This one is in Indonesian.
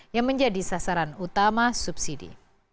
yang menjadi sasaran utama subsidi